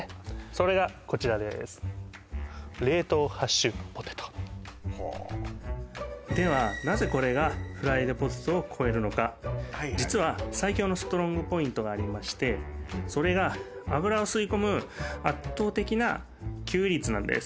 それがこちらですではなぜこれが実は最強のストロングポイントがありましてそれが油を吸い込む圧倒的な吸油率なんです